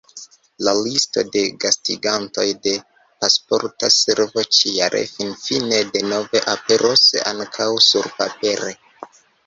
La listo de gastigantoj de Pasporta Servo ĉi-jare finfine denove aperos ankaŭ surpapere.